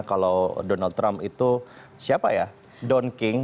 kalau donald trump itu siapa ya down king